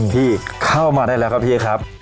พี่เข้ามาได้แล้วครับพี่ครับ